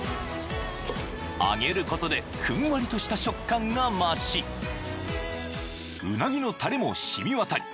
［揚げることでふんわりとした食感が増しうなぎのたれも染み渡り